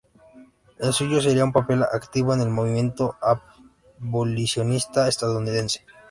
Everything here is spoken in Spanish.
El suyo sería un papel activo en el movimiento abolicionista estadounidense.